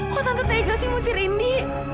kok tante tegas sih ngusir indi